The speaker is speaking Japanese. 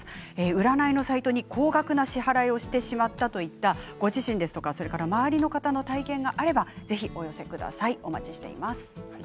占いのサイトに高額な支払いをしてしまったといったご自身や周りの方の体験があればぜひお寄せください。